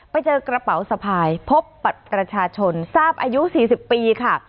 ไปเจอกระเป๋าสะพายพบบัตรประชาชนทราบอายุ๔๐ปีค่ะ